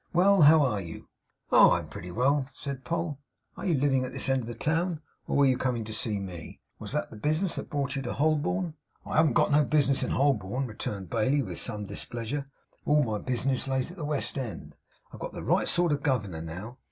Well! How are you?' 'Oh! I'm pretty well,' said Poll. 'Are you living at this end of the town, or were you coming to see me? Was that the bis'ness that brought you to Holborn?' 'I haven't got no bis'ness in Holborn,' returned Bailey, with some displeasure. 'All my bis'ness lays at the West End. I've got the right sort of governor now.